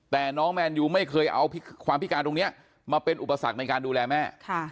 แต่น้องแมนยูไม่เคยเอาความพิการตรงนี้มาเป็นอุปสรรคในการดูแลแม่